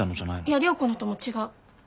いや涼子のとも違う。